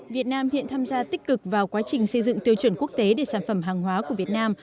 việt nam hiện tham gia tích cực vào quá trình xây dựng tiêu chuẩn quốc tế để sản phẩm hàng hóa của việt nam